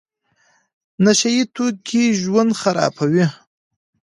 نشه يي توکي ژوند خرابوي.